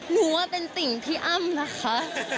หนูว่าเป็นติ่งพี่อ้ำนะคะ